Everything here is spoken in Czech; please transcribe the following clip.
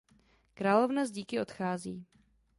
Královna s díky odchází.